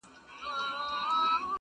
په کوټه کي به په غېږ کي د څښتن وو!.